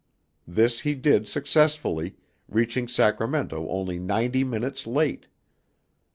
This he did successfully, reaching Sacramento only ninety minutes late.